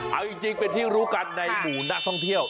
เอาจริงเป็นที่รู้กันในหมู่นักท่องเที่ยว